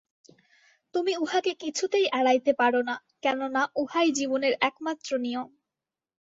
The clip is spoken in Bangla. তুমি উহাকে কিছুতেই এড়াইতে পার না, কেননা উহাই জীবনের একমাত্র নিয়ম।